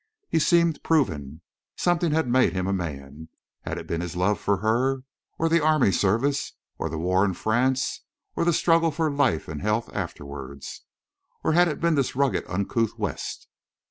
He seemed proven. Something had made him a man. Had it been his love for her, or the army service, or the war in France, or the struggle for life and health afterwards? Or had it been this rugged, uncouth West?